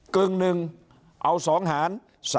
กึ่งหนึ่งเอา๒หาร